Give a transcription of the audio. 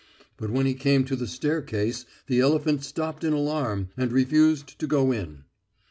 But when he came to the staircase the elephant stopped in alarm, and refused to go on.